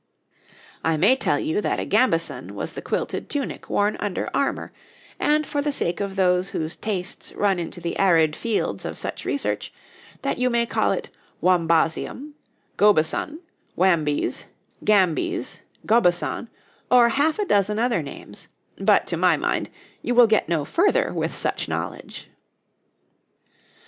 I may tell you that a gambeson was the quilted tunic worn under armour, and, for the sake of those whose tastes run into the arid fields of such research, that you may call it wambasium, gobison, wambeys, gambiex, gaubeson, or half a dozen other names; but, to my mind, you will get no further with such knowledge.